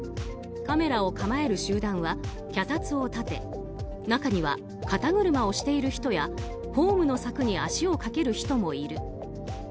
カメラを構える集団は脚立を立て中には肩車をしている人やホームの柵に足をかける人もいる。